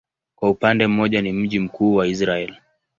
Kwa upande mmoja ni mji mkuu wa Israel.